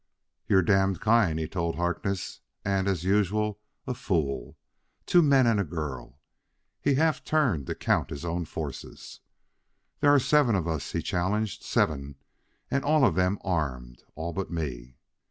"You're damned kind," he told Harkness, "and, as usual, a fool. Two men and a girl!" He half turned to count his own forces. "There are seven of us," he challenged; "seven! And all of them armed all but me!"